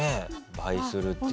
倍するっていう。